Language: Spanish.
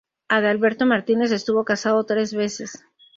Adalberto Martínez estuvo casado tres veces.